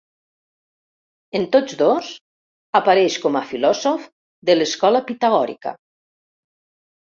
En tots dos, apareix com a filòsof de l'escola pitagòrica.